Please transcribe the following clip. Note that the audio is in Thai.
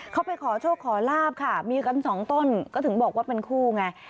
เขาไปขอโชคขอลาบค่ะมีกันสองต้นก็ถึงบอกว่าเป็นคู่ไง